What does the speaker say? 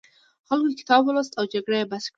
خلکو کتاب ولوست او جګړه یې بس کړه.